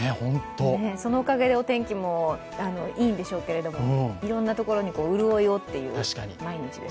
そのおかげでお天気もいいんでしょうけれども、いろんなところに潤いをという毎日です。